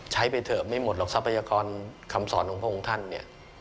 ไปเถอะไม่หมดหรอกทรัพยากรคำสอนของพระองค์ท่านเนี่ย